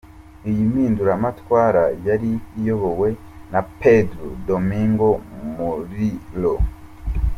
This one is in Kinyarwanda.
Iyi mpinduramatwara yari iyobowe na Pedro Domingo Murillo.